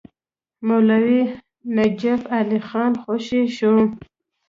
مولوي نجف علي خان خوشي شو.